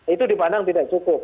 itu dipandang tidak cukup